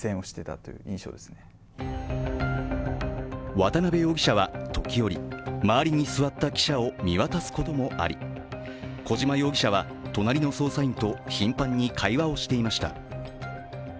渡辺容疑者は時折、周りに座った記者を見渡すこともあり、小島容疑者は隣の捜査員と頻繁に会話をしていました。